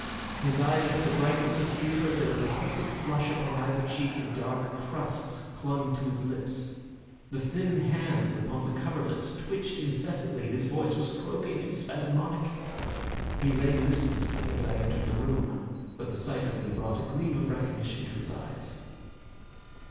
His eyes had the brightness of fever, there was a hectic flush upon either cheek, and dark crusts clung to his lips; the thin hands upon the coverlet twitched incessantly, his voice was croaking and spasmodic. He lay listlessly as I entered the room, but the sight of me brought a gleam of recognition to his eyes.